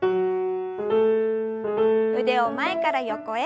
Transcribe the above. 腕を前から横へ。